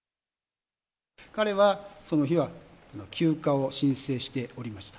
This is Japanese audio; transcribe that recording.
彼はその日は休暇を申請しておりました。